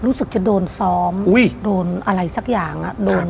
รู้สึกจะโดนซ้อมโดนอะไรสักอย่าง